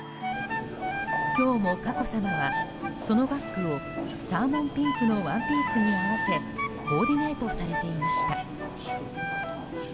今日も佳子さまはそのバッグをサーモンピンクのワンピースに合わせコーディネートされていました。